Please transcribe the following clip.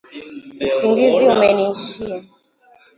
Usingizi umeniishia